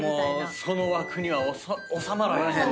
その枠には収まらへんねん。